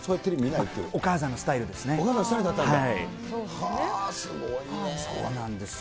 お母さんのスタイルだったんですね。